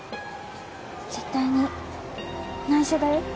絶対に内緒だよ？